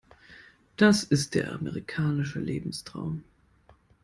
Das ist der amerikanische Lebenstraum.